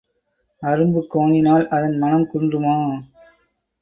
அரும்பு கோணினால் அதன் மணம் குன்றுமா?